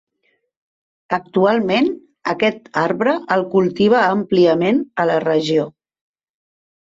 Actualment, aquest arbre el cultiva àmpliament a la regió.